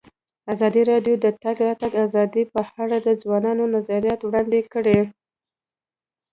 ازادي راډیو د د تګ راتګ ازادي په اړه د ځوانانو نظریات وړاندې کړي.